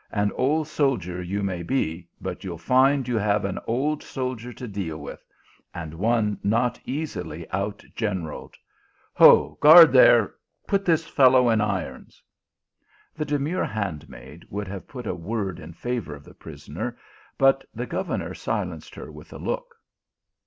An old soldier you may be, but you ll find you have an old soldier to deal with ; and one not easily outgeneralled. Ho ! guard there ! put this fellow in irons." The demure handmaid would have put in a word in favour of the prisoner, but the governor silenced her with a look.